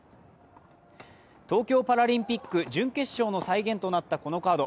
東京パラリンピック準決勝の再現となったこのカード。